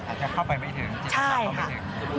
อาจจะเข้าไปไม่ถึงจิตใจเข้าไปถึง